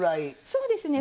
そうですね。